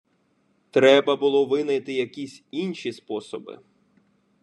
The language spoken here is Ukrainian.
Треба було винайти якісь інші способи.